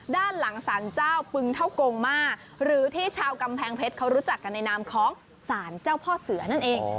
ด้านหลังสารเจ้าปึงเท่ากงมาหรือที่ชาวกำแพงเพชรเขารู้จักกันในนามของสารเจ้าพ่อเสือนั่นเอง